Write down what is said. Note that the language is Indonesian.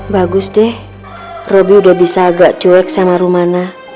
bagus deh robby udah bisa agak cuek sama rumana